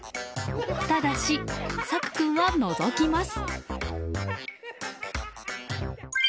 ただし、朔久君は除きます。